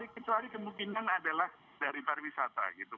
kecuali kemungkinan adalah dari pariwisata gitu